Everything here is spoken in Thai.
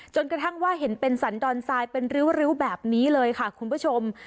จนกระทั่งว่าเห็นเป็นสันดอนทรายเป็นริ้วแบบนี้เลยค่ะคุณผู้ชม